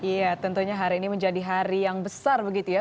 iya tentunya hari ini menjadi hari yang besar begitu ya